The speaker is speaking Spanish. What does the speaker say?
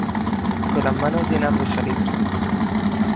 con las manos llenas de salitre .